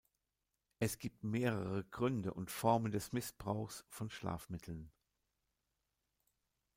Es gibt mehrere Gründe und Formen des Missbrauchs von Schlafmitteln.